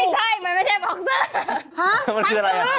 ไม่ใช่มันไม่ใช่บอกเซอร์